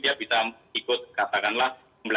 dia bisa ikut katakanlah